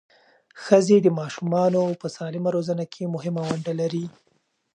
ښځې د ماشومانو په سالمه روزنه کې مهمه ونډه لري.